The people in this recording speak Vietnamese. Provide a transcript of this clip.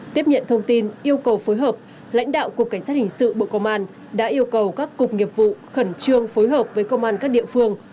tiếp nhận thông tin yêu cầu phối hợp lãnh đạo cục cảnh sát hình sự bộ công an đã yêu cầu các cục nghiệp vụ khẩn trương phối hợp với công an các địa phương